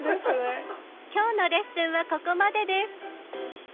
今日のレッスンはここまでです。